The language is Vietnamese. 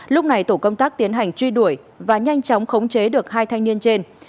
lúc này tổ công tác tiến hành truy đuổi và nhanh chóng khống chế được hai thanh niên trên